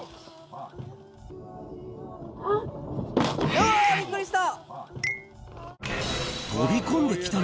うわびっくりした！